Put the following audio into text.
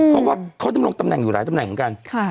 เพราะว่าเขาดำรงตำแหน่งอยู่หลายตำแหน่งเหมือนกัน